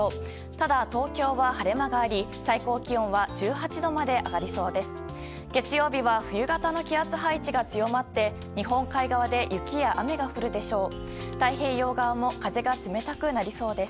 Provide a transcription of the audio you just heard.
ただ、東京は晴れ間があり最高気温は１８度まで上がりそうです。